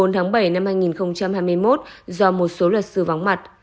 một mươi bốn tháng bảy năm hai nghìn hai mươi một do một số luật sư vóng mặt